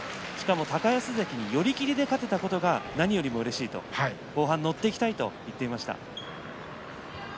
高安関に寄り切りで勝てたことが何よりもうれしいと後半も乗っていきたいと言っていました。